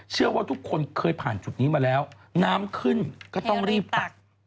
เชื่อว่าทุกคนเคยผ่านจุดนี้มาแล้วน้ำขึ้นก็ต้องรีบตัก